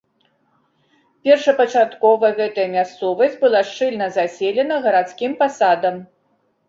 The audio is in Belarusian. Першапачаткова гэтая мясцовасць была шчыльна заселеным гарадскім пасадам.